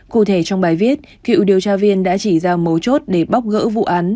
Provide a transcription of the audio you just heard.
cụ thể trong bài viết cựu điều tra viên đã chỉ ra mấu chốt để bóc gỡ vụ án